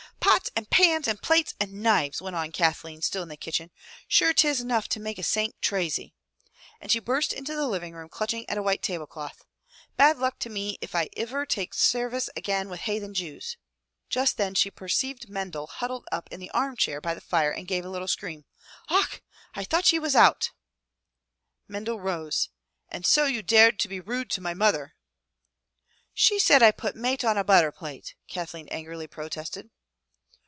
"Pots and pans and plates and knives!" went on Kathleen still in the kitchen. "Sure, 'tis enough to make a saint chrazy!" And she burst into the living room clutching a white table cloth. "Bad luck to me if iver I take sarvice again with hay then Jews!" Just then she perceived Mendel huddled up in the arm chair by the fire, and gave a little scream. "Och! I thought ye was out!" Mendel rose. "And so you dared to be rude to my mother!" "She said I put mate on a butther plate," Kathleen angrily protested.